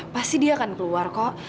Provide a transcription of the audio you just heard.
pasti dia akan keluar kok